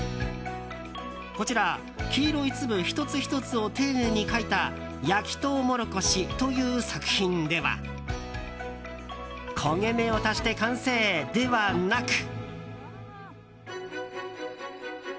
こちら、黄色い粒１つ１つを丁寧に描いた「焼きとうもろこし」という作品では焦げ目を足して完成ではなく。